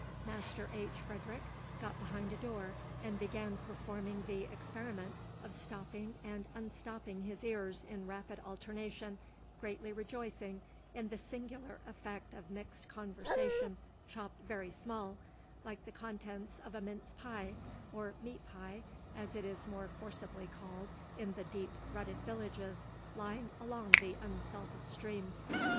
Master H. Frederic got behind a door and began performing the experiment of stopping and unstopping his ears in rapid alternation, greatly rejoicing in the singular effect of mixed conversation chopped very small, like the contents of a mince pie, or meat pie, as it is more forcibly called in the deep rutted villages lying along the unsalted streams.